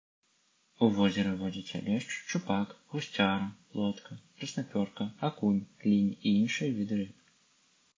У возеры водзяцца лешч, шчупак, гусцяра, плотка, краснапёрка, акунь, лінь і іншыя віды рыб.